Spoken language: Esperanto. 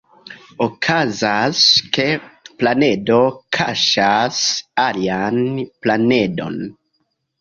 Okazas, ke planedo kaŝas alian planedon.